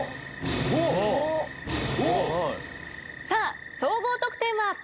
さあ総合得点は。